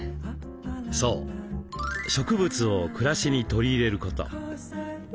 そう植物を暮らしに取り入れること。